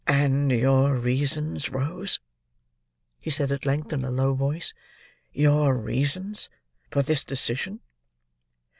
"And your reasons, Rose," he said, at length, in a low voice; "your reasons for this decision?"